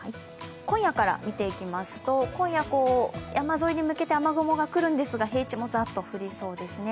今夜から見ていきますと、山沿いに向けて雨雲が来るんですが、平地もザーッと降りそうですね。